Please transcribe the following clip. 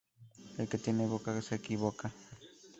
El que tiene boca, se equivoca